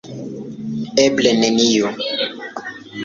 Eble neniu.